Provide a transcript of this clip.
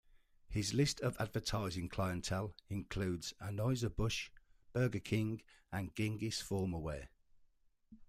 His list of advertising clientele includes Anhueser-Busch, Burger King and Gingiss Formalwear.